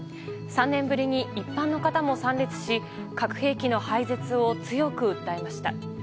３年ぶりに一般の方も参列し核兵器の廃絶を強く訴えました。